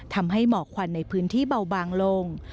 หมอกควันในพื้นที่เบาบางลง